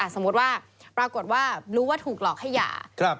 สมมุติว่าปรากฏว่ารู้ว่าถูกหลอกให้หย่า